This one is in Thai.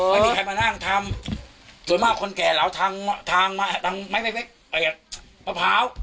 ไม่มีใครมานั่งทำส่วนมากคนแก่เหลาทางทางมะพร้าว